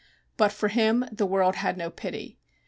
But for him the world had no pity.